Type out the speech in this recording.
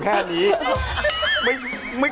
แบบอันนี้รูปมา